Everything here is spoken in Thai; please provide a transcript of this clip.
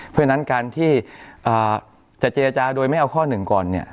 เพราะฉะนั้นการที่จะเจรจาโดยไม่เอาข้อหนึ่งก่อนเนี่ย